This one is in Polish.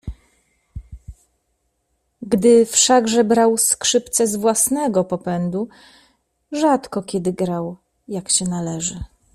"Gdy wszakże brał skrzypce z własnego popędu rzadko kiedy grał jak się należy."